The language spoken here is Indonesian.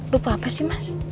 lupa apa sih mas